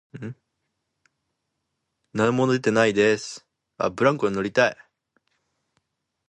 ブランコ乗りたい